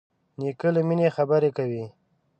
نیکه له مینې خبرې کوي.